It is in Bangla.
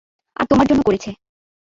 আর তোমার জন্য করেছে।